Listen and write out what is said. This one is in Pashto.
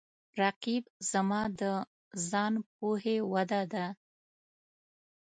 رقیب زما د ځان پوهې وده ده